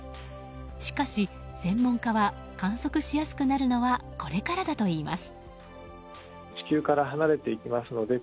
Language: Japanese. しかし専門家は観測しやすくなるのはこれからだといいます。